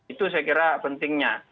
itu saya kira pentingnya